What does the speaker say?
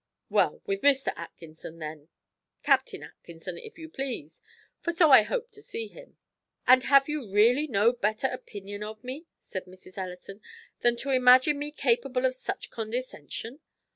"Well, with Mr. Atkinson, then, Captain Atkinson, if you please; for so I hope to see him." "And have you really no better opinion of me," said Mrs. Ellison, "than to imagine me capable of such condescension?